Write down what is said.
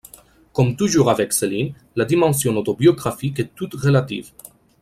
Comme toujours avec Céline, la dimension autobiographique est toute relative.